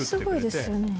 それすごいですよね。